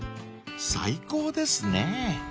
［最高ですね］